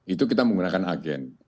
itu kita menggunakan agen